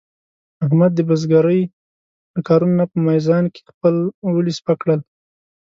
احمد د بزرګرۍ له کارونو نه په میزان کې خپل ولي سپک کړل.